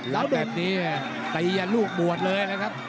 แล้วแบบนี้ตีอย่างลูกบวชเลยนะครับ